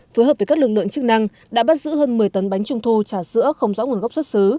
phối hợp với các lực lượng chức năng đã bắt giữ hơn một mươi tấn bánh trung thu trà sữa không rõ nguồn gốc xuất xứ